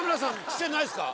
写ってないですか？